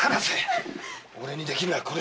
俺にできるのはこれしかねえ！